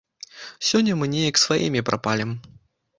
Сёння мы неяк сваімі прапалім.